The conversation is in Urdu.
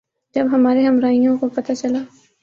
جب ہمارے ہمراہیوں کو پتہ چلا